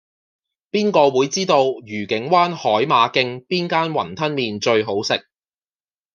邊個會知道愉景灣海馬徑邊間雲吞麵最好食